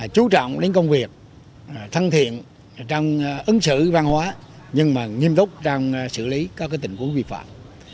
chú trọng đến công việc thân thiện trong ứng xử văn hóa nhưng mà nghiêm túc trong xử lý các tình huống vi phạm